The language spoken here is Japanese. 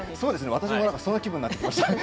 私もそんな気分になっています。